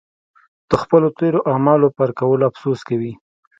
د خپلو تېرو اعمالو پر کولو افسوس کوي.